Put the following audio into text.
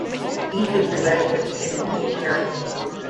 Each victory led to an expanded army and territory.